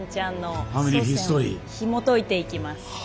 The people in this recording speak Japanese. ひもといていきます。